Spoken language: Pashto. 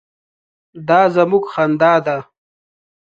_دا زموږ خندا ده.